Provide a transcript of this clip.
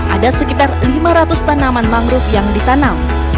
ada sekitar lima ratus tanaman mangrove yang ditanam